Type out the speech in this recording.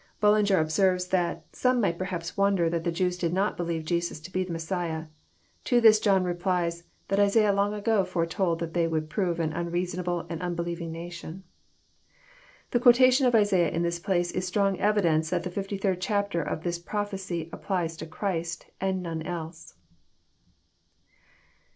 BuUlnger observes, that " some might perhaps wonder that the Jews did not believe Jesus to be the Messiah. To this John replies, that Isaiah long ago foretold that they would prove an unreasonable and unbelieving nation. The quotation of Isaiah in this place is strong evidence that the fifty third chapter of this prophecy applies to Christ, and none else.